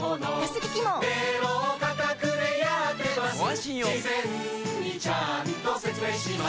事前にちゃんと説明します